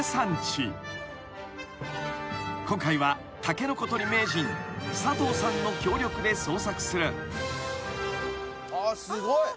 ［今回はタケノコ採り名人佐藤さんの協力で捜索する］